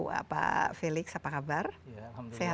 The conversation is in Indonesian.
untuk melihat peran pemerintah terhadap pembangunan kesehatan